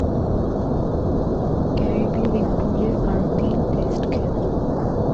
ক্যারিবীয় দ্বীপপুঞ্জে আরও তিন টেস্ট খেলেন।